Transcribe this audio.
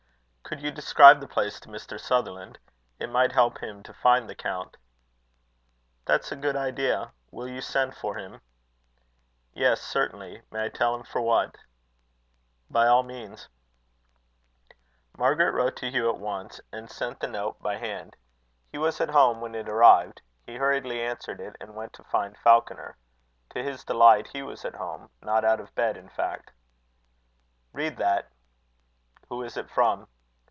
"Could you describe the place to Mr. Sutherland? It might help him to find the count." "That's a good idea. Will you send for him?" "Yes, certainly. May I tell him for what?" "By all means." Margaret wrote to Hugh at once, and sent the note by hand. He was at home when it arrived. He hurriedly answered it, and went to find Falconer. To his delight he was at home not out of bed, in fact. "Read that." "Who is it from?"